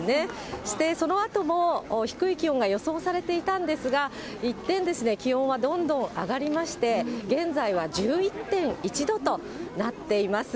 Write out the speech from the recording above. そしてそのあとも低い気温が予想されていたんですが、一転、気温はどんどん上がりまして、現在は１１．１度となっています。